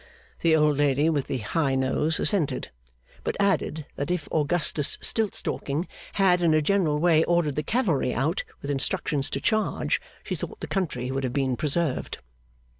The old lady with the high nose assented; but added that if Augustus Stiltstalking had in a general way ordered the cavalry out with instructions to charge, she thought the country would have been preserved.